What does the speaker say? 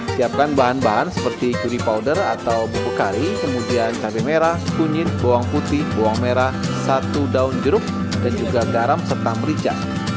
siapkan bahan bahan seperti curi powder atau bubuk kari kemudian cabai merah kunyit bawang putih bawang merah satu daun jeruk dan juga garam serta merica